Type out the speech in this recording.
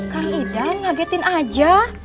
kang ida ngagetin aja